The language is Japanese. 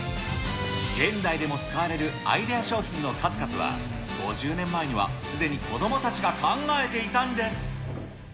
現代でも使われるアイデア商品の数々は、５０年前にはすでに子どもたちが考えていたんです。